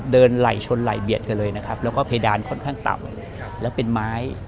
เดินไหลชนไหลแหบียดไว้แล้วเพดานค่อนข้างต่ำและเป็นไม้